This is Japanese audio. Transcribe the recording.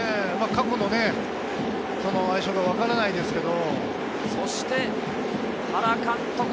過去の相性がわからないですけど。